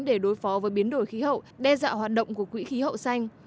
để đối phó với biến đổi khí hậu đe dọa hoạt động của quỹ khí hậu xanh